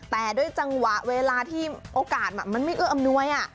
แต่ด้วยจังหวะเวลาที่โอกาสมันไม่เอื้ออำนวย